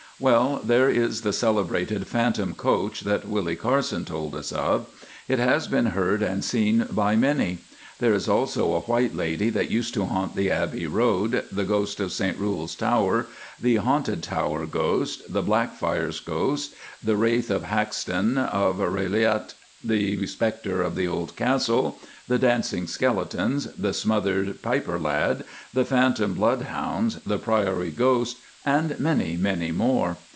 Well, there is the celebrated Phantom Coach that Willie Carson told us of. It has been heard and seen by many. There is also a white lady that used to haunt the Abbey Road, the ghost of St Rule's Tower, the Haunted Tower ghost, the Blackfriars ghost, the wraith of Hackston of Rathillet, the spectre of the old Castle, the Dancing Skeletons, the smothered Piper Lad, the Phantom Bloodhound, the Priory Ghost, and many, many more.